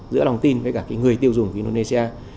giữa lòng tin với cả cái người tiêu dùng của indonesia